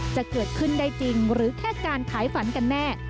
จะเกิดขึ้นได้จริงหรือแค่การขายฝันกันแน่